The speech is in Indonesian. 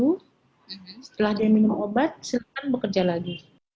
setelah dia minum obat silakan bekerja lagi